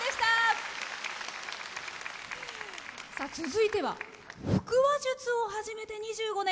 続いては腹話術を始めて２５年。